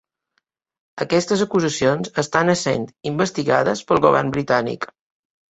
Aquestes acusacions estan essent investigades pel govern britànic.